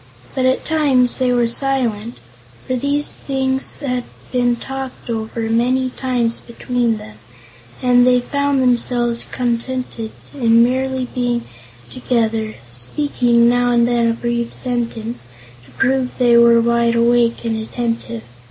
But at times they were silent, for these things had been talked over many times between them, and they found themselves contented in merely being together, speaking now and then a brief sentence to prove they were wide awake and attentive.